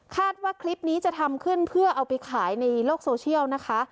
ว่าคลิปนี้จะทำขึ้นเพื่อเอาไปขายในโลกโซเชียลนะคะ